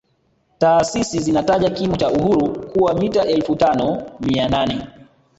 Taasisi zinataja kimo cha Uhuru kuwa mita elfu tano mia nane